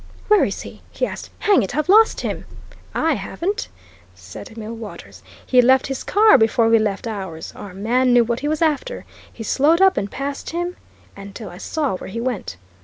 "Where is he?" he asked. "Hang it, I've lost him!" "I haven't!" said Millwaters. "He left his car before we left ours. Our man knew what he was after he slowed up and passed him until I saw where he went."